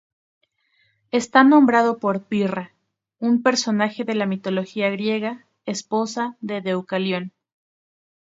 Está nombrado por Pirra, un personaje de la mitología griega, esposa de Deucalión.